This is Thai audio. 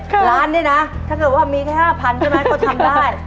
แบบนี้ร้านนี้นะถ้าเกิดว่ามีแค่๕๐๐๐ก็ทำได้